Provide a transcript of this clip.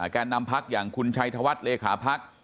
แกนนำพรรคอย่างคุณชัยเทวัตรเลขาพรรค